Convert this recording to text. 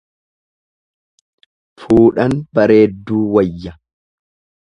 Fuudhan bareedduu wayya.